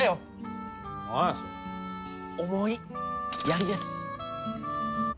重いやりです。